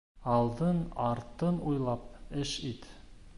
Алдың-артың уйлап эш ит.